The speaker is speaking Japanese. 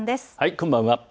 こんばんは。